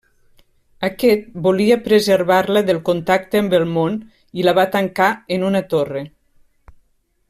Aquest volia preservar-la del contacte amb el món i la va tancar en una torre.